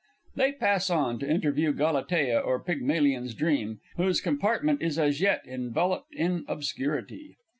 [_They pass on to interview "Galatea, or Pygmalion's Dream," whose compartment is as yet enveloped in obscurity.